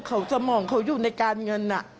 เขาสมองเขาอยู่ในการเงิน